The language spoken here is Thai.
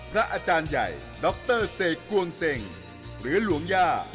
พระอาจารย์ใหญ่ดรเสกกวนเซ็งหรือหลวงย่า